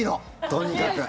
とにかく。